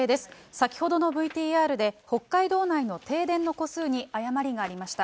先ほどのＶＴＲで、北海道内の停電の戸数に誤りがありました。